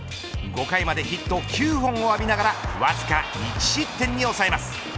５回までヒット９本を浴びながらわずか１失点に抑えます。